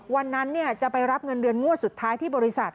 วันนั้นจะไปรับเงินเดือนงวดสุดท้ายที่บริษัท